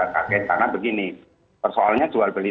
karena begini persoalnya jual beli